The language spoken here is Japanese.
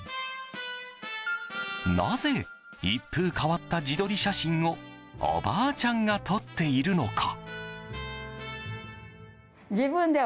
なぜ、一風変わった自撮り写真をおばあちゃんが撮っているのか？